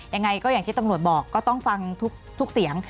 ยังไงก็อย่างที่ตำรวจบอกก็ต้องฟังทุกเสียง